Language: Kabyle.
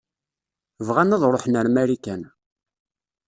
Bɣan ad ṛuḥen ar Marikan.